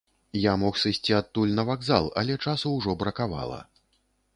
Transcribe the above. Я мог сысці адтуль на вакзал, але часу ўжо бракавала.